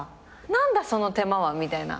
何だその手間はみたいな。